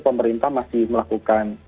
pemerintah masih melakukan